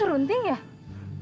kamu serunting ya iya mbak